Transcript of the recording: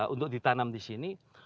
untuk ditanam di sini